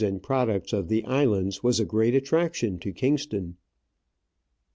219 and products of the islands was a great attraction to Kingston.